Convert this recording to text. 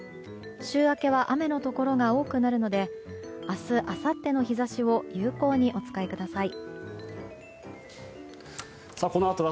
週明けは雨のところが多くなるので明日あさっての日差しを有効にお使いください。